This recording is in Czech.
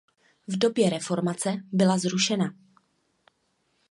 V době reformace byla zrušena.